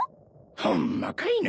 ホンマかいな。